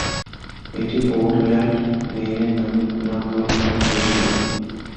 এটি পোর্টল্যান্ড, মেইনের নামে নামকরণ করা হয়েছিল।